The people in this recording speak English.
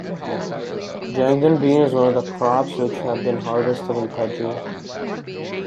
Jangdan bean is one of these crops which have been harvested in Paju.